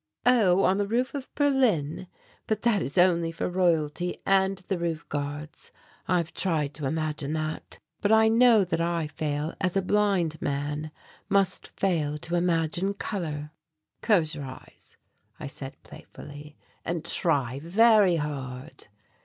"Oh, on the roof of Berlin? But that is only for Royalty and the roof guards. I've tried to imagine that, but I know that I fail as a blind man must fail to imagine colour." "Close your eyes," I said playfully, "and try very hard."